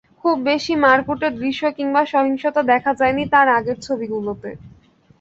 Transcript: খুব বেশি মারকুটে দৃশ্য কিংবা সহিংসতা দেখা যায়নি তাঁর আগের ছবিগুলোতে।